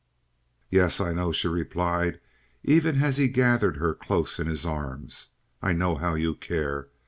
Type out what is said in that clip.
"Yes, I know," she replied, even as he gathered her close in his arms. "I know how you care."